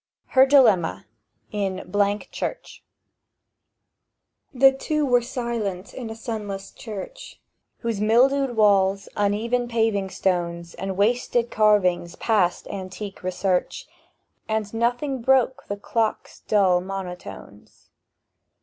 HER DILEMMA (IN — CHURCH) THE two were silent in a sunless church, Whose mildewed walls, uneven paving stones, And wasted carvings passed antique research; And nothing broke the clock's dull monotones.